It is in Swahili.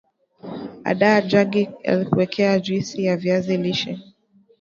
andaa jagi lakuwekea juisi ya viazi lishe